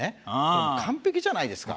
完璧じゃないですか。